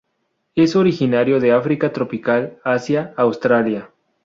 Es originario de África tropical, Asia, Australia.